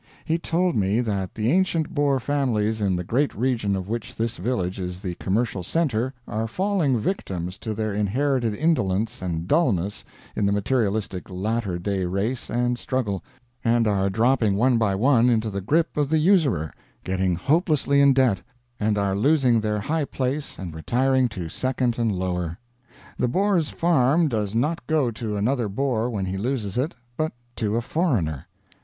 He told me that the ancient Boer families in the great region of which this village is the commercial center are falling victims to their inherited indolence and dullness in the materialistic latter day race and struggle, and are dropping one by one into the grip of the usurer getting hopelessly in debt and are losing their high place and retiring to second and lower. The Boer's farm does not go to another Boer when he loses it, but to a foreigner.